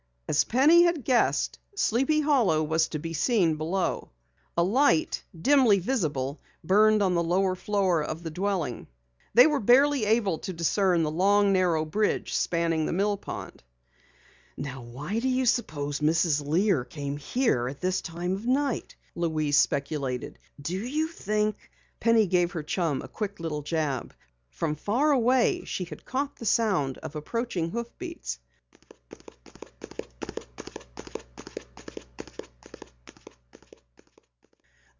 As Penny had guessed, Sleepy Hollow was to be seen below. A light, dimly visible, burned on the lower floor of the dwelling. They barely were able to discern the long, narrow bridge spanning the mill pond. "Now why do you suppose Mrs. Lear came here at this time of night?" Louise speculated. "Do you think " Penny gave her chum a quick little jab. From far away she had caught the sound of approaching hoofbeats.